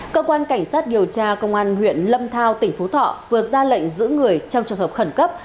cơ quan cảnh sát điều tra công an huyện lâm thao tỉnh phú thọ vừa ra lệnh giữ người trong trường hợp khẩn cấp